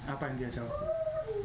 apa yang dia jawab